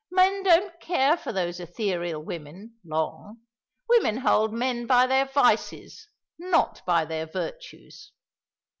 "Men don't care for those ethereal women long. Women hold men by their vices, not by their virtues."